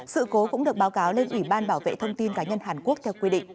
sự cố cũng được báo cáo lên ủy ban bảo vệ thông tin cá nhân hàn quốc theo quy định